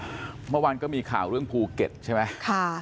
เมื่อวานอย่างก็มีข่าวเรื่องภูเก็ตใช่ปะ